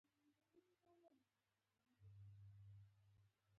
د پوهې او فکر ارزښت نه وي معلوم شوی.